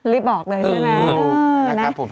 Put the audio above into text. รีบบอกเลยใช่ไหม